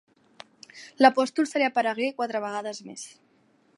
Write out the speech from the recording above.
L'apòstol se li aparegué quatre vegades més.